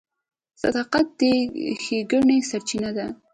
• صداقت د ښېګڼې سرچینه ده.